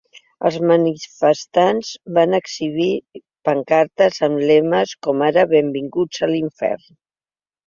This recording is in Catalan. Els manifestants van exhibir pancartes amb lemes com ara ‘Benvinguts a l’infern’.